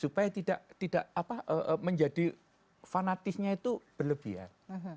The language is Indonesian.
supaya tidak menjadi fanatisnya itu berlebihan